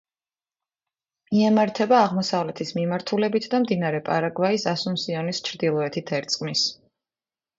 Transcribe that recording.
მიემართება აღმოსავლეთის მიმართულებით და მდინარე პარაგვაის ასუნსიონის ჩრდილოეთით ერწყმის.